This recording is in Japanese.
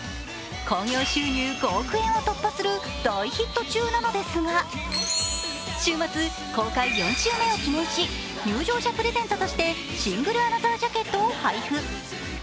興行収入５億円を突破する大ヒット中なのですが週末、公開４週目を記念し、入場者プレゼントとしてシングルアナザージャケットを配布。